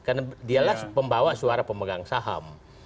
karena dialah pembawa suara pemegang saham